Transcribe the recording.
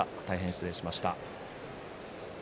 失礼いたしました。